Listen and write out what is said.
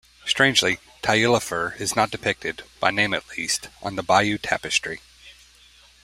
Strangely, Taillefer is not depicted, by name at least, on the Bayeux Tapestry.